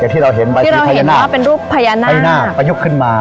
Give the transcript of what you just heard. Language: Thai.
ที่เราเห็นเป็นรูปพยานาคประยุกต์ขึ้นมา